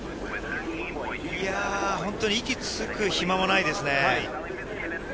本当にいきつく暇もないですね。